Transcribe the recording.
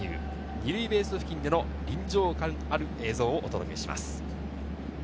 ２塁ベース付近での臨場感ある映像をお届けします。